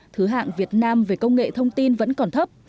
thứ hạng việt nam về công nghệ thông tin vẫn còn thấp